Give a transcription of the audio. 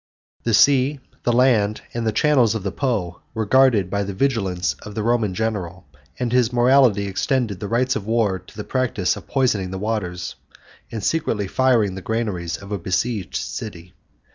The sea, the land, and the channels of the Po, were guarded by the vigilance of the Roman general; and his morality extended the rights of war to the practice of poisoning the waters, 105 and secretly firing the granaries 106 of a besieged city.